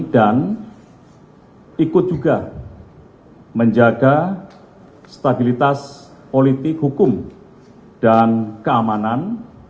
dan ikut juga menjaga stabilitas politik hukum dan keamanan